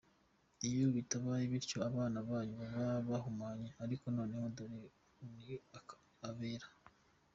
Iyo bitabaye bityo abana banyu baba bahumanye, ariko noneho dore ni abera.